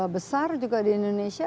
besar juga di indonesia